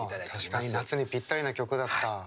確かに夏にぴったりな曲だった。